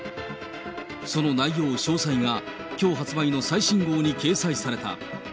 その内容詳細がきょう発売の最新号に掲載された。